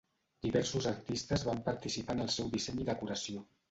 Diversos artistes van participar en el seu disseny i decoració.